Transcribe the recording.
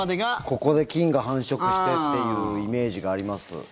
ここで菌が繁殖してというイメージがあります。